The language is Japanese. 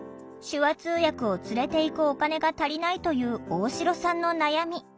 手話通訳を連れていくお金が足りないという大城さんの悩み。